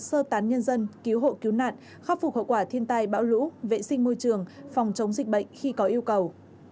sơ tán nhân dân cứu hộ cứu nạn khắc phục hậu quả thiên tai bão lũ vệ sinh môi trường phòng chống dịch bệnh khi có yêu cầu